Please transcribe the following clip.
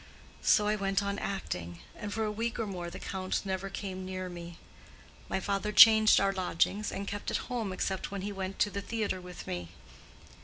So I went on acting, and for a week or more the Count never came near me. My father changed our lodgings, and kept at home except when he went to the theatre with me.